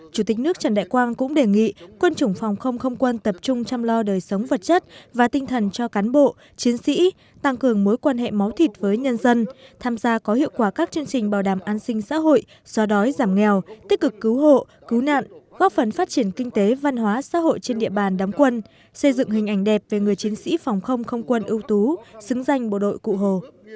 chủ tịch nước trần đại quang cũng đề nghị quân chủng phòng không không quân tập trung chăm lo đời sống vật chất và tinh thần cho cán bộ chiến sĩ tăng cường mối quan hệ máu thịt với nhân dân tham gia có hiệu quả các chương trình bảo đảm an sinh xã hội do đói giảm nghèo tích cực cứu hộ cứu nạn góp phần phát triển kinh tế văn hóa xã hội trên địa bàn đám quân xây dựng hình ảnh đẹp về người chiến sĩ phòng không không quân ưu tú xứng danh bộ đội cụ hồ